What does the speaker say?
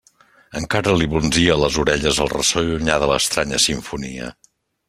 Encara li brunzia a les orelles el ressò llunyà de l'estranya simfonia.